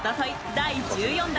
第１４代